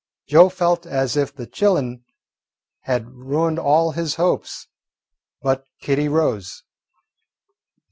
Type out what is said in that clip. Joe felt as if the "chillen" had ruined all his hopes, but Kitty rose.